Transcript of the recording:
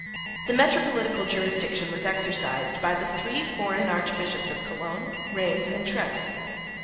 The metropolitical jurisdiction was exercised by the three foreign Archbishops of Cologne, Rheims and Treves.